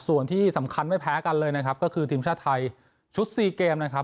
ส่วนที่สำคัญไม่แพ้กันเลยนะครับก็คือทีมชาติไทยชุดซีเกมนะครับ